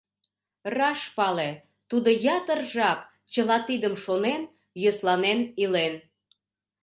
Раш пале, тудо ятыр жап, чыла тидым шонен, йӧсланен илен.